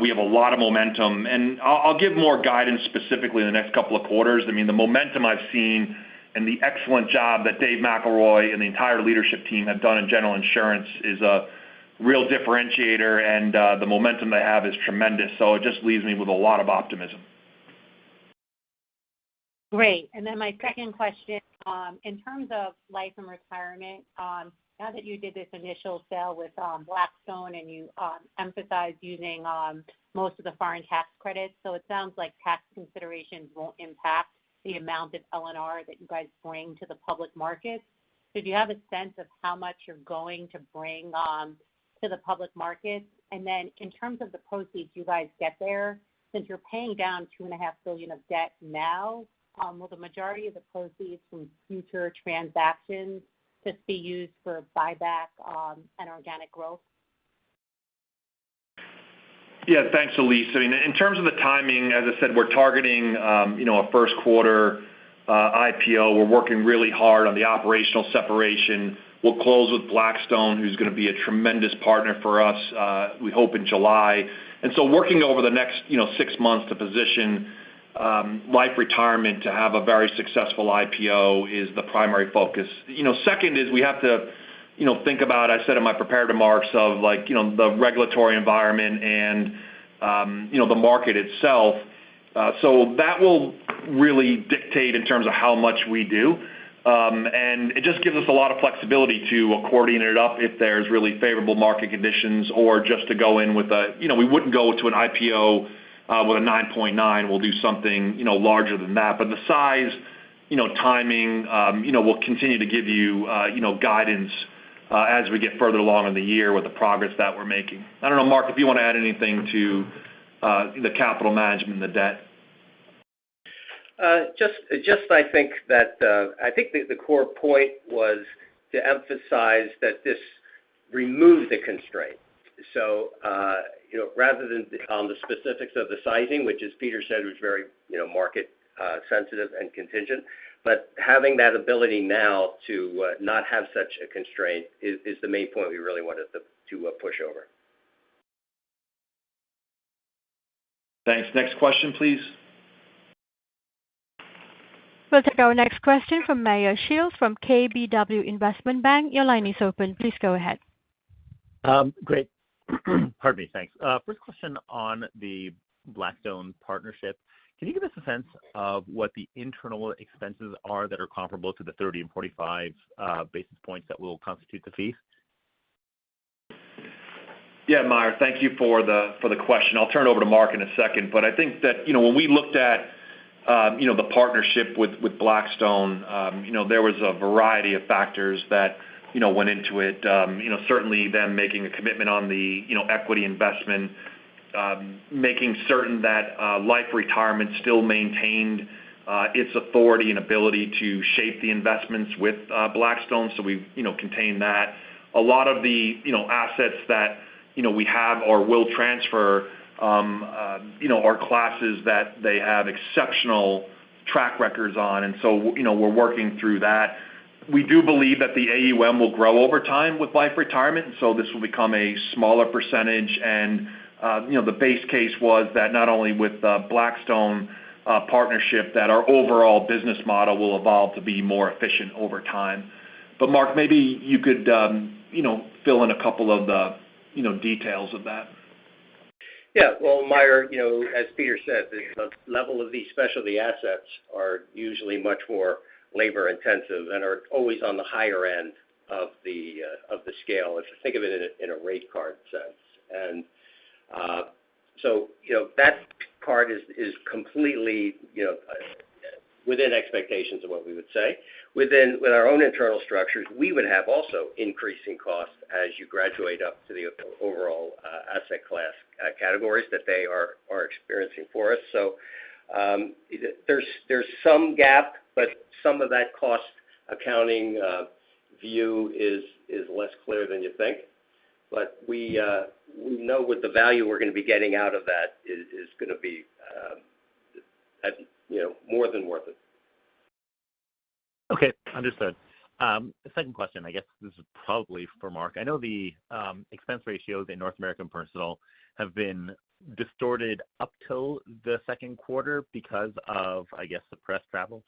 we have a lot of momentum. I'll give more guidance specifically in the next couple of quarters. The momentum I've seen and the excellent job that Dave McElroy and the entire leadership team have done in General Insurance is a real differentiator, and the momentum they have is tremendous. It just leaves me with a lot of optimism. Great. My second question, in terms of Life & Retirement, now that you did this initial sale with Blackstone and you emphasized using most of the foreign tax credits, it sounds like tax considerations won't impact the amount of L&R that you guys bring to the public market. Do you have a sense of how much you're going to bring to the public market? In terms of the proceeds you guys get there, since you're paying down $2.5 billion of debt now, will the majority of the proceeds from future transactions just be used for buyback and organic growth? Yeah. Thanks, Elyse. In terms of the timing, as I said, we're targeting a first quarter IPO. We're working really hard on the operational separation. We'll close with Blackstone, who's going to be a tremendous partner for us, we hope in July. Working over the next six months to position Life & Retirement to have a very successful IPO is the primary focus. Second is we have to think about, I said in my prepared remarks of the regulatory environment and the market itself. That will really dictate in terms of how much we do. It just gives us a lot of flexibility to accordion it up if there's really favorable market conditions or just to go in with a-- we wouldn't go to an IPO with a 9.9%. We'll do something larger than that. The size, timing, we'll continue to give you guidance as we get further along in the year with the progress that we're making. I don't know, Mark, if you want to add anything to the capital management and the debt. I think that the core point was to emphasize that this removed the constraint. Rather than on the specifics of the sizing, which as Peter said, was very market sensitive and contingent. Having that ability now to not have such a constraint is the main point we really wanted to push over. Thanks. Next question, please. We'll take our next question from Meyer Shields from KBW Investment Bank. Your line is open. Please go ahead. Great. Pardon me. Thanks. First question on the Blackstone partnership. Can you give us a sense of what the internal expenses are that are comparable to the 30 and 45 basis points that will constitute the fees? Yeah, Meyer, thank you for the question. I'll turn it over to Mark in a second. I think that when we looked at the partnership with Blackstone, there was a variety of factors that went into it. Certainly them making a commitment on the equity investment, making certain that Life & Retirement still maintained its authority and ability to shape the investments with Blackstone. We've contained that. A lot of the assets that we have or will transfer are classes that they have exceptional track records on. We're working through that. We do believe that the AUM will grow over time with Life & Retirement, this will become a smaller percentage. The base case was that not only with the Blackstone partnership, that our overall business model will evolve to be more efficient over time. Mark, maybe you could fill in a couple of the details of that. Yeah. Well, Meyer, as Peter said, the level of these specialty assets are usually much more labor-intensive and are always on the higher end of the scale, if you think of it in a rate card sense. That part is completely within expectations of what we would say. Within our own internal structures, we would have also increasing costs as you graduate up to the overall asset class categories that they are experiencing for us. There's some gap, but some of that cost accounting view is less clear than you think. We know with the value we're going to be getting out of that is going to be more than worth it. Okay. Understood. The second question, I guess this is probably for Mark. I know the expense ratios in North American Personal have been distorted up till the second quarter because of, I guess, suppressed travel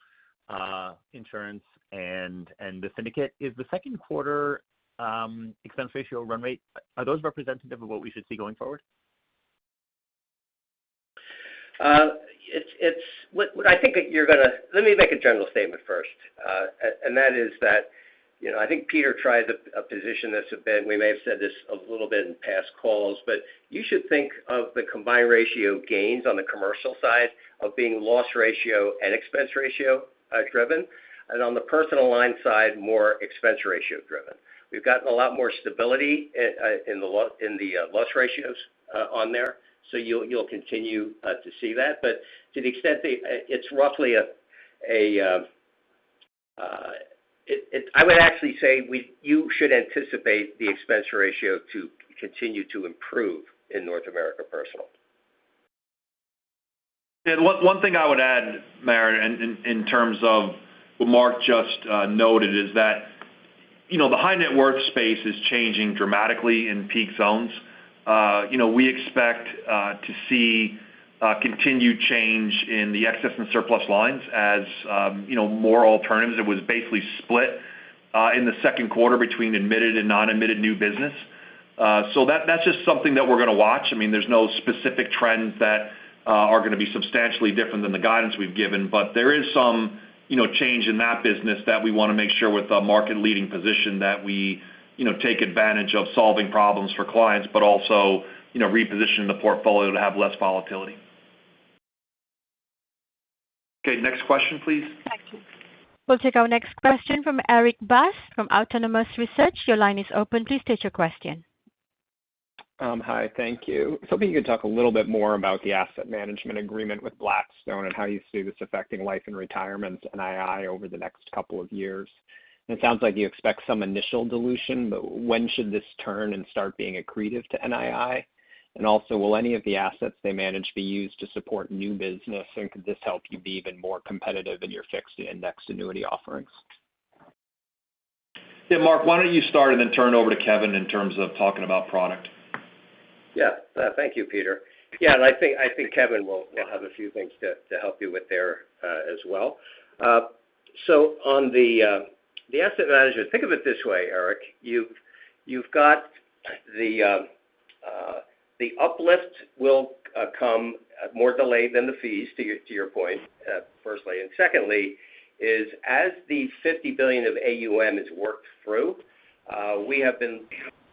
insurance and the syndicate. Is the second quarter expense ratio run rate, are those representative of what we should see going forward? Let me make a general statement first. That is that I think Peter tries a position that's a bit, we may have said this a little bit in past calls, but you should think of the combined ratio gains on the commercial side of being loss ratio and expense ratio driven, and on the personal line side, more expense ratio driven. We've gotten a lot more stability in the loss ratios on there. You'll continue to see that. To the extent, I would actually say you should anticipate the expense ratio to continue to improve in North America Personal. One thing I would add, Meyer, in terms of what Mark just noted, is that the high net worth space is changing dramatically in peak zones. We expect to see continued change in the excess and surplus lines as more alternatives. It was basically split in the second quarter between admitted and non-admitted new business. That's just something that we're going to watch. There's no specific trends that are going to be substantially different than the guidance we've given, but there is some change in that business that we want to make sure with a market-leading position that we take advantage of solving problems for clients, but also reposition the portfolio to have less volatility. Okay, next question, please. Thank you. We'll take our next question from Erik Bass from Autonomous Research. Your line is open. Please state your question. Hi, thank you. If you could talk a little bit more about the asset management agreement with Blackstone and how you see this affecting Life & Retirement's NII over the next couple of years. It sounds like you expect some initial dilution, but when should this turn and start being accretive to NII? Also, will any of the assets they manage be used to support new business? Could this help you be even more competitive in your fixed and indexed annuity offerings? Yeah, Mark, why don't you start and then turn over to Kevin in terms of talking about product? Yeah. Thank you, Peter. I think Kevin will have a few things to help you with there, as well. On the asset manager, think of it this way, Erik. You've got the uplift will come more delayed than the fees, to your point, firstly. Secondly, is as the $50 billion of AUM is worked through, we have been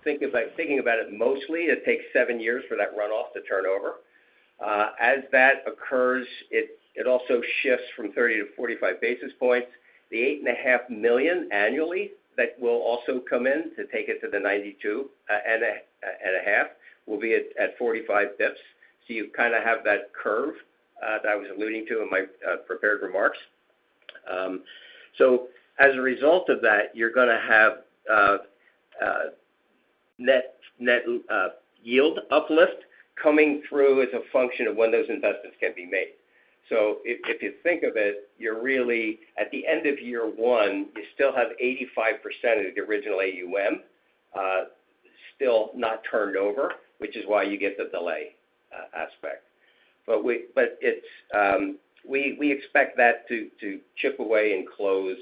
thinking about it mostly, it takes seven years for that runoff to turn over. As that occurs, it also shifts from 30 to 45 basis points. The $8.5 billion annually that will also come in to take it to the $92.5 billion will be at 45 basis points. You kind of have that curve that I was alluding to in my prepared remarks. As a result of that, you're going to have net yield uplift coming through as a function of when those investments can be made. If you think of it, you're really at the end of year one, you still have 85% of your original AUM still not turned over, which is why you get the delay aspect. We expect that to chip away and close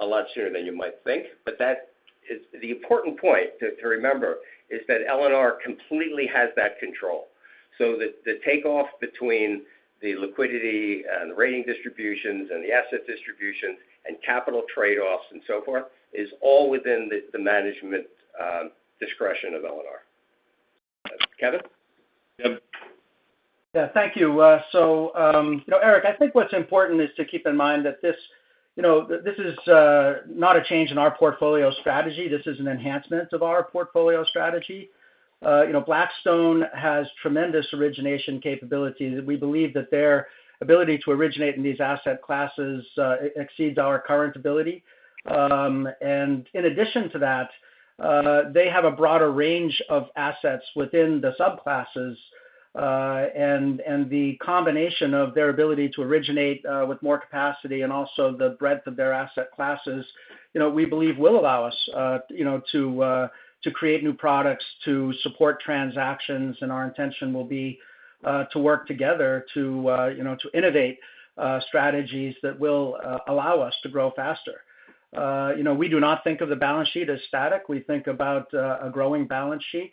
a lot sooner than you might think. The important point to remember is that L&R completely has that control. The takeoff between the liquidity and the rating distributions and the asset distributions and capital trade-offs and so forth, is all within the management discretion of L&R. Kevin? Yeah. Yeah. Thank you. Erik, I think what's important is to keep in mind that this is not a change in our portfolio strategy. This is an enhancement of our portfolio strategy. Blackstone has tremendous origination capabilities. We believe that their ability to originate in these asset classes exceeds our current ability. In addition to that, they have a broader range of assets within the subclasses. The combination of their ability to originate with more capacity and also the breadth of their asset classes, we believe will allow us to create new products to support transactions. Our intention will be to work together to innovate strategies that will allow us to grow faster. We do not think of the balance sheet as static. We think about a growing balance sheet.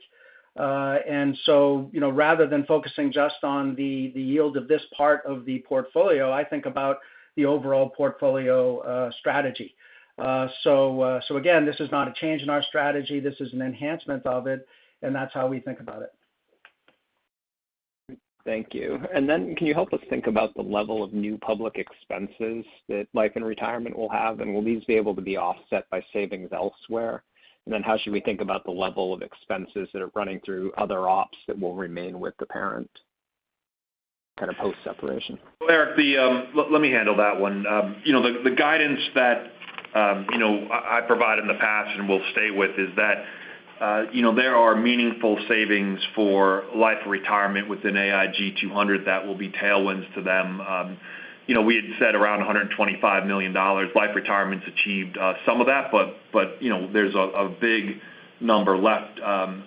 Rather than focusing just on the yield of this part of the portfolio, I think about the overall portfolio strategy. Again, this is not a change in our strategy. This is an enhancement of it, and that's how we think about it. Thank you. Can you help us think about the level of new public expenses that Life & Retirement will have, and will these be able to be offset by savings elsewhere? How should we think about the level of expenses that are running through other ops that will remain with the parent kind of post-separation? Erik, let me handle that one. The guidance that I provided in the past and will stay with is that there are meaningful savings for Life & Retirement within AIG 200 that will be tailwinds to them. We had said around $125 million Life & Retirement's achieved some of that, but there's a big number left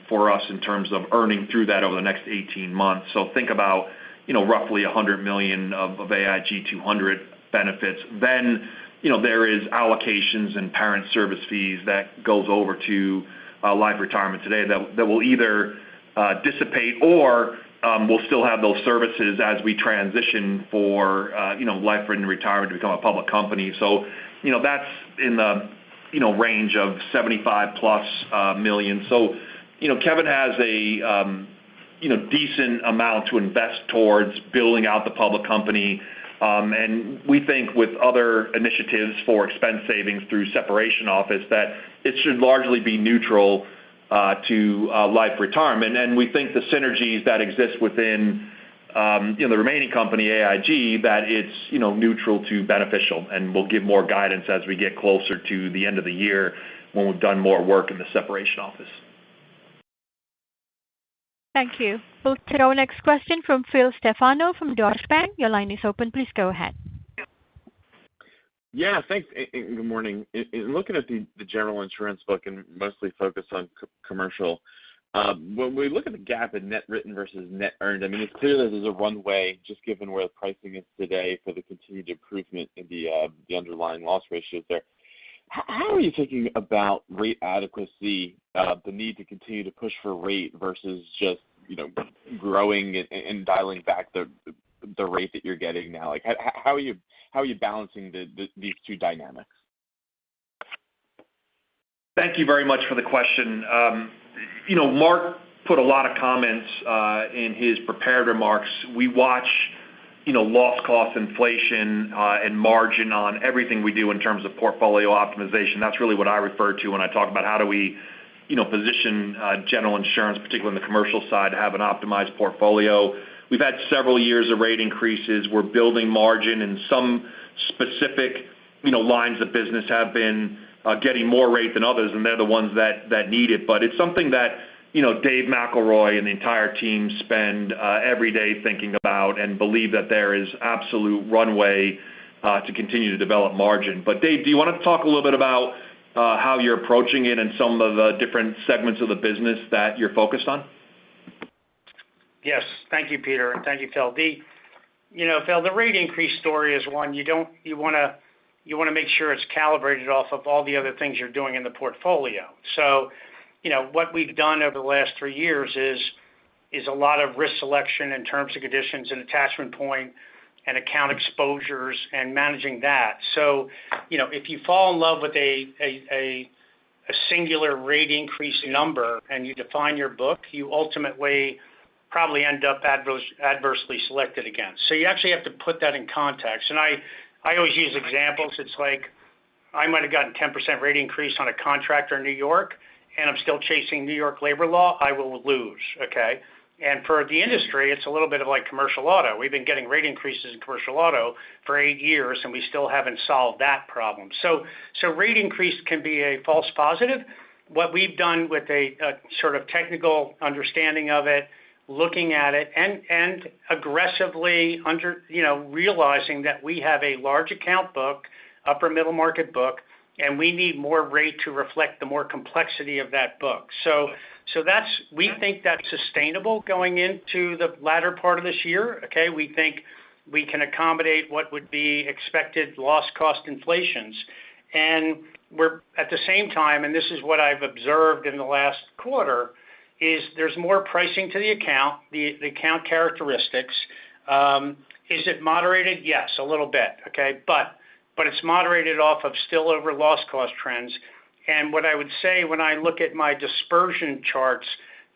for us in terms of earning through that over the next 18 months. Think about roughly $100 million of AIG 200 benefits. There is allocations and parent service fees that goes over Life & Retirement today that will either dissipate or we'll still have those services as we transition for Life & Retirement to become a public company. That's in the range of $75+ million. Kevin has a decent amount to invest towards building out the public company. We think with other initiatives for expense savings through separation office, that it should largely be neutral to Life & Retirement. We think the synergies that exist within the remaining company, AIG, that it's neutral to beneficial. We'll give more guidance as we get closer to the end of the year when we've done more work in the separation office. Thank you. We will take our next question from Phil Stefano from Deutsche Bank. Your line is open. Please go ahead. Yeah, thanks, and good morning. In looking at the General Insurance book and mostly focused on commercial. When we look at the gap in net written versus net earned, I mean it's clear that there's a one-way, just given where the pricing is today for the continued improvement in the underlying loss ratios there. How are you thinking about rate adequacy, the need to continue to push for rate versus just growing and dialing back the rate that you're getting now? Like how are you balancing these two dynamics? Thank you very much for the question. Mark put a lot of comments in his prepared remarks. We watch loss cost inflation and margin on everything we do in terms of portfolio optimization, that's really what I refer to when I talk about how do we position General Insurance, particularly on the commercial side, to have an optimized portfolio. We've had several years of rate increases. We're building margin, some specific lines of business have been getting more rate than others, and they're the ones that need it. It's something that Dave McElroy and the entire team spend every day thinking about and believe that there is absolute runway to continue to develop margin. Dave, do you want to talk a little bit about how you're approaching it and some of the different segments of the business that you're focused on? Yes. Thank you, Peter. Thank you, Phil. Phil, the rate increase story is one you want to make sure it's calibrated off of all the other things you're doing in the portfolio. What we've done over the last three years is a lot of risk selection in terms and conditions and attachment point and account exposures and managing that. If you fall in love with a singular rate increase number and you define your book, you ultimately probably end up adversely selected again. You actually have to put that in context. I always use examples. It's like, I might have gotten 10% rate increase on a contractor in New York, and I'm still chasing New York labor law, I will lose. Okay? For the industry, it's a little bit of like commercial auto. We've been getting rate increases in commercial auto for eight years, and we still haven't solved that problem. Rate increase can be a false positive. What we've done with a sort of technical understanding of it, looking at it, and aggressively realizing that we have a large account book, upper middle market book, and we need more rate to reflect the more complexity of that book. We think that's sustainable going into the latter part of this year. Okay. We think we can accommodate what would be expected loss cost inflations. At the same time, and this is what I've observed in the last quarter, is there's more pricing to the account, the account characteristics. Is it moderated? Yes, a little bit. Okay. It's moderated off of still over loss cost trends. What I would say when I look at my dispersion charts,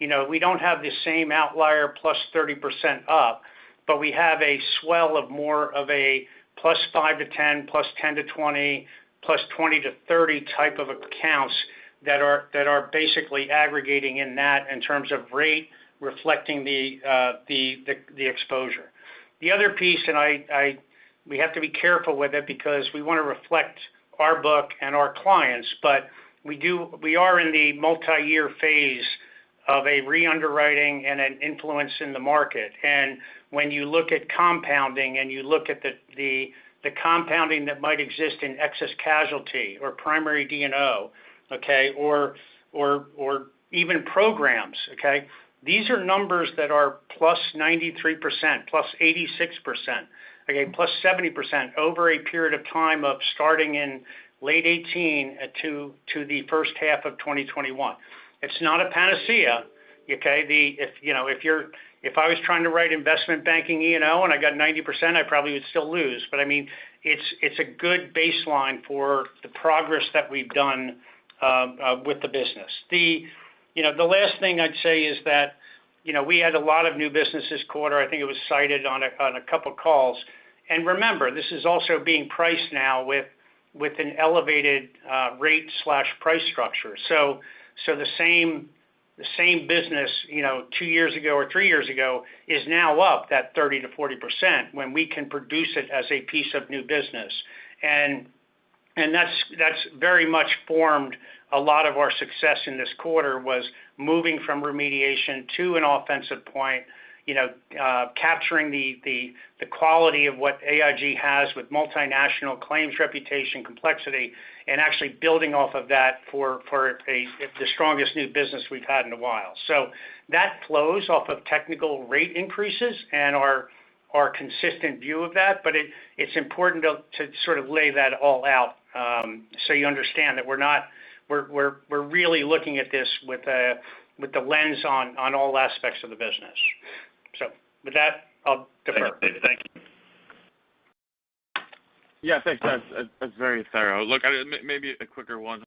we don't have the same outlier +30% up, but we have a swell of more of a +5% to +10%, +10% to +20%, +20% to +30% type of accounts that are basically aggregating in that in terms of rate reflecting the exposure. The other piece, we have to be careful with it because we want to reflect our book and our clients, but we are in the multi-year phase of a re-underwriting and an influence in the market. When you look at compounding and you look at the compounding that might exist in excess casualty or primary D&O, okay, or even programs, okay. These are numbers that are +93%, +86%, okay, +70% over a period of time of starting in late 2018 to the first half of 2021. It's not a panacea. Okay? If I was trying to write investment banking E&O and I got 90%, I probably would still lose. It's a good baseline for the progress that we've done with the business. The last thing I'd say is that we had a lot of new business this quarter. I think it was cited on a couple of calls. Remember, this is also being priced now with an elevated rate/price structure. The same business two years ago or three years ago is now up that 30%-40% when we can produce it as a piece of new business. That's very much formed a lot of our success in this quarter was moving from remediation to an offensive point, capturing the quality of what AIG has with multinational claims reputation complexity, and actually building off of that for the strongest new business we've had in a while. That flows off of technical rate increases and our consistent view of that. It's important to sort of lay that all out so you understand that we're really looking at this with the lens on all aspects of the business. With that, I'll defer. Thank you. Yeah, thanks, guys. That's very thorough. Look, maybe a quicker one.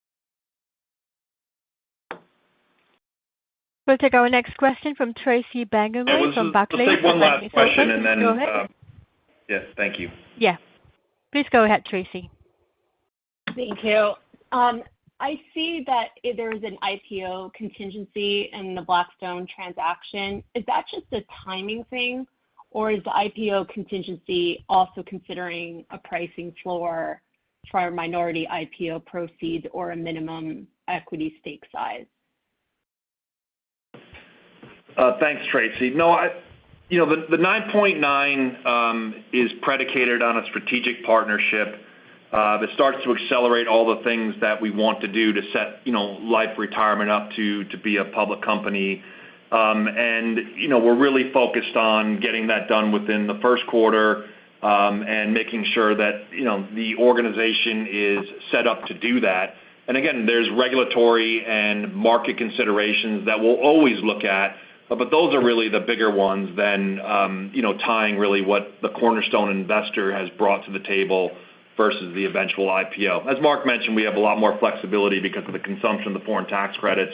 We'll take our next question from Tracy Benguigui from Barclays. I'll just take one last question. Go ahead. Yes. Thank you. Yeah. Please go ahead, Tracy. Thank you. I see that there is an IPO contingency in the Blackstone transaction. Is that just a timing thing, or is the IPO contingency also considering a pricing floor for our minority IPO proceed or a minimum equity stake size? Thanks, Tracy. The 9.9% is predicated on a strategic partnership that starts to accelerate all the things that we want to do to set Life & Retirement up to be a public company. We're really focused on getting that done within the first quarter and making sure that the organization is set up to do that. Again, there's regulatory and market considerations that we'll always look at. But those are really the bigger ones than tying really what the cornerstone investor has brought to the table versus the eventual IPO. As Mark mentioned, we have a lot more flexibility because of the consumption of the Foreign Tax Credits.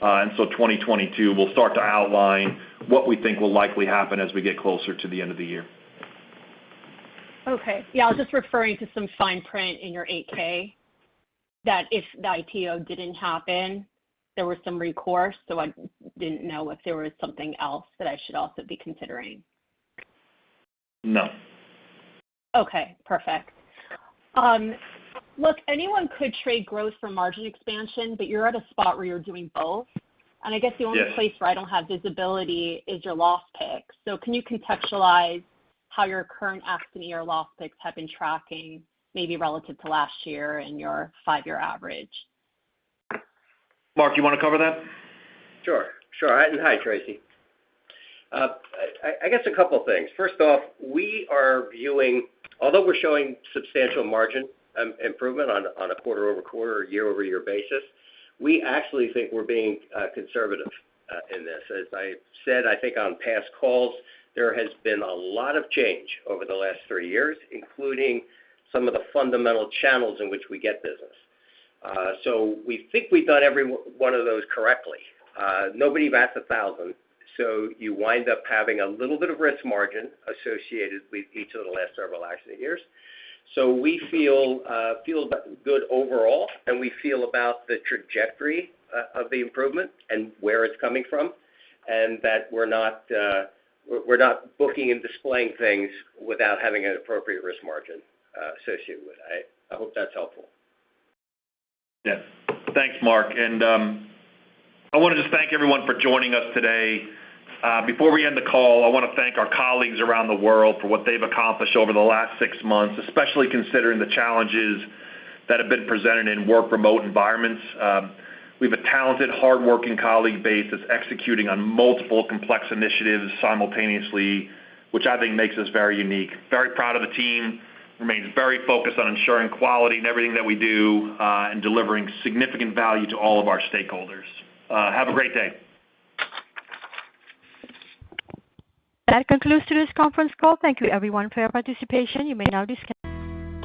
2022, we'll start to outline what we think will likely happen as we get closer to the end of the year. Okay. Yeah, I was just referring to some fine print in your 8-K, that if the IPO didn't happen, there was some recourse. I didn't know if there was something else that I should also be considering. No. Okay, perfect. Look, anyone could trade growth for margin expansion, but you're at a spot where you're doing both. Yes. I guess the only place where I don't have visibility is your loss picks. Can you contextualize how your current accident year loss picks have been tracking, maybe relative to last year and your five-year average? Mark, you want to cover that? Hi, Tracy. I guess a couple of things. First off, we are viewing, although we are showing substantial margin improvement on a quarter-over-quarter, year-over-year basis, we actually think we are being conservative in this. As I said, I think on past calls, there has been a lot of change over the last three years, including some of the fundamental channels in which we get business. We think we have done every one of those correctly. Nobody bats 1,000, you wind up having a little bit of risk margin associated with each of the last several accident years. We feel good overall, and we feel about the trajectory of the improvement and where it is coming from, and that we are not booking and displaying things without having an appropriate risk margin associated with it. I hope that is helpful. Yeah. Thanks, Mark. I want to just thank everyone for joining us today. Before we end the call, I want to thank our colleagues around the world for what they've accomplished over the last six months, especially considering the challenges that have been presented in work remote environments. We have a talented, hardworking colleague base that's executing on multiple complex initiatives simultaneously, which I think makes us very unique. Very proud of the team, remains very focused on ensuring quality in everything that we do, and delivering significant value to all of our stakeholders. Have a great day. That concludes today's conference call. Thank you everyone for your participation. You may now disconnect.